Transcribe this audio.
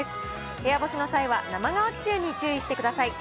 部屋干しの際は生乾き臭に注意してください。